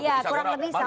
ya kurang lebih sama